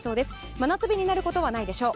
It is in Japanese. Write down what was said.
真夏日になることはないでしょう。